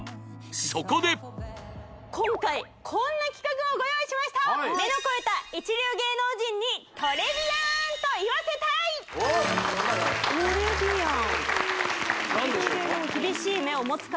そこで今回こんな企画をご用意しました目の肥えた一流芸能人にトレビアンと言わせたいトレビアン何でしょうか？